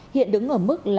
hiện đứng ở mức là